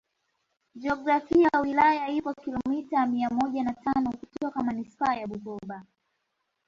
Jiografia ya wilaya ipo kilomita mia moja na tano kutoka Manispaa ya Bukoba